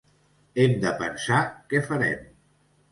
Hem de pensar què farem.